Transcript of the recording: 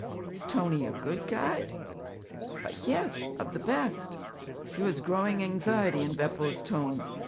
'Is Tony a good guide?' 'But yes, of the best!' There was growing anxiety in Beppo's tone.